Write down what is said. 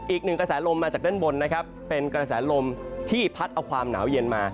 อีกหนึ่งกระแสลมมาจากด้านบนนะครับเป็นกระแสลมที่พัดเอาความหนาวเย็นมา